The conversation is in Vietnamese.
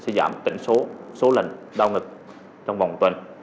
sẽ giảm tỉnh số số lần đau ngực trong vòng tuần